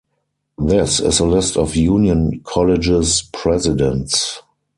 This is a list of Union College's presidents.